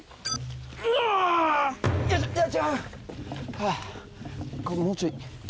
はぁここもうちょい。